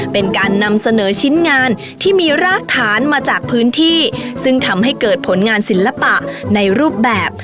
เป็นการนำเสนอชิ้นงานที่มีรากฐานมาจากพื้นที่ซึ่งทำให้เกิดผลงานศิลปะในรูปแบบ